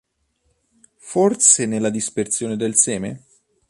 Forse nella dispersione del seme?